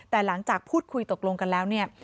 แต่หลังจากพูดคุยตกลงกันแล้วเนี่ย